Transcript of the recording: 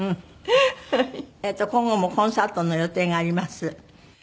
今後もコンサートの予定があります。